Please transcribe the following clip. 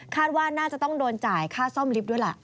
ว่าน่าจะต้องโดนจ่ายค่าซ่อมลิฟต์ด้วยล่ะ